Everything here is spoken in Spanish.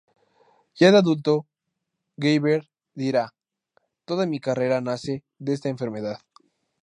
Ya de adulto, Gaber dirá: "Toda mi carrera nace de esta enfermedad".